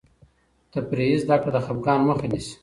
تفریحي زده کړه د خفګان مخه نیسي.